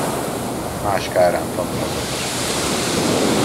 Más kárán tanul az okos.